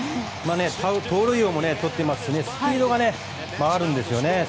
盗塁王もとっていますしスピードもあるんですよね。